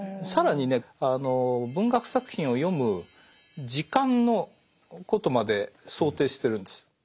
更にね文学作品を読む時間のことまで想定してるんです。